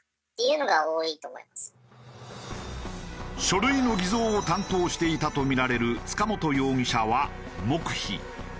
書類の偽造を担当していたとみられる塚本容疑者は黙秘。